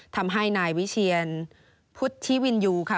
ทำให้นายวิเชียนพุทธิวินยูค่ะ